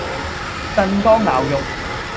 鎮江肴肉